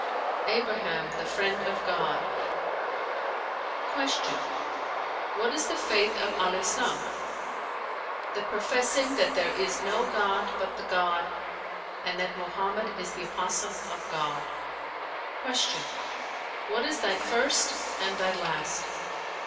"Abraham, the Friend of God." Q "What is the Faith of Al Islam?" "The professing that there is no god but the God and that Mohammed is the apostle of God." Q "What is thy first and thy last?"